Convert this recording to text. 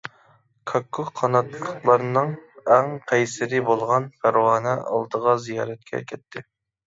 كاككۇك قاناتلىقلارنىڭ ئەڭ قەيسىرى بولغان پەرۋانە ئالدىغا زىيارەتكە كەتتى.